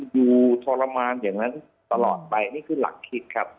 ทรมานอย่างนั้นตลอดไปนี่คือหลักคิดครับ